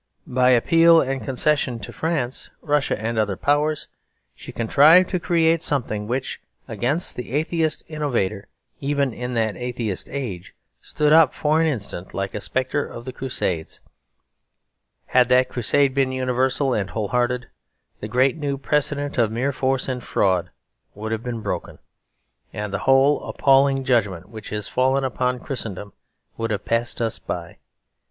By appeals and concessions to France, Russia, and other powers, she contrived to create something which, against the atheist innovator even in that atheist age, stood up for an instant like a spectre of the Crusades. Had that Crusade been universal and whole hearted, the great new precedent of mere force and fraud would have been broken; and the whole appalling judgment which is fallen upon Christendom would have passed us by.